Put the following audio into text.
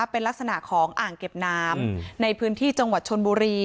เป็นลักษณะของอ่างเก็บน้ำในพื้นที่จังหวัดชนบุรี